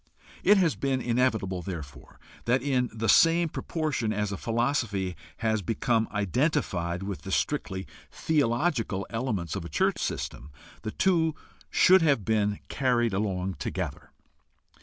It has been inevitable, therefore, that in the same propor tion as a philosophy has become identified with the strictly theological elements of a church system the two should have been, carried along together.